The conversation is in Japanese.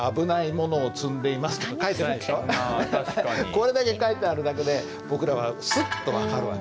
これだけ書いてあるだけで僕らはスッと分かる訳。